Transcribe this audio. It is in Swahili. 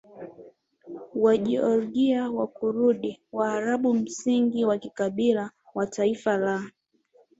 Wajiorgia Wakurdi Waarabu msingi wa kikabila wa taifa la